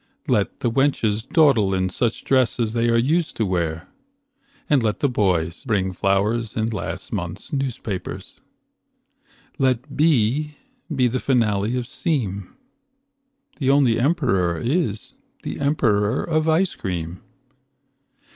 Let the wenches dawdle in such dress As they are used to wear, and let the boys Bring flowers in last month's newspapers. Let be be the finale of seem. The only emperor is the emperor of ice cream.